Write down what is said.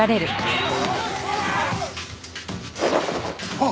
あっ！